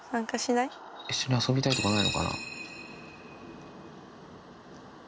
一緒に遊びたいとかないのかな。